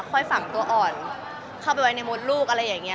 ฝั่งตัวอ่อนเข้าไปไว้ในมดลูกอะไรอย่างนี้